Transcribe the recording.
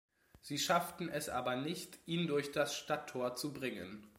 Sie schafften es aber nicht, ihn durch das Stadttor zu bringen.